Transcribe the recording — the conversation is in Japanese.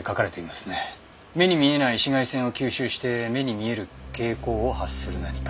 目に見えない紫外線を吸収して目に見える蛍光を発する何か。